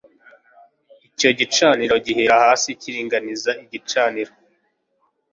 icyo gicaniro gihera hasi kiringaniza igicaniro